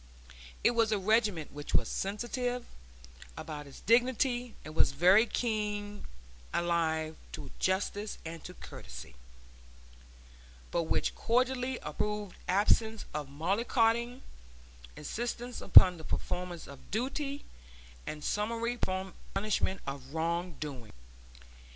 It was a regiment which was sensitive about its dignity and was very keenly alive to justice and to courtesy, but which cordially approved absence of mollycoddling, insistence upon the performance of duty, and summary punishment of wrong doing.